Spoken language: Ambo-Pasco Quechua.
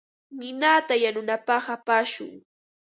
Ninata yanunapaq apashun.